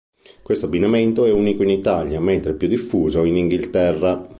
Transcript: Questo abbinamento è unico in Italia, mentre è più diffuso in Inghilterra.